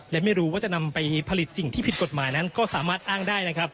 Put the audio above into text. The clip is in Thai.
และไม่รู้ว่าจะนำไปผลิตสิ่งที่ผิดกฎหมายนั้นก็สามารถอ้างได้นะครับ